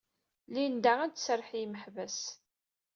Linda ad d-tserreḥ i yimeḥbas.